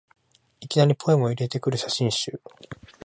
いきなりポエムを入れてくる写真集